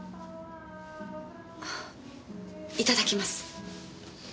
いただきます。